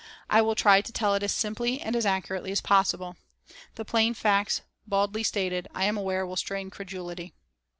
I will try to tell it as simply and as accurately as possible. The plain facts, baldly stated, I am aware will strain credulity.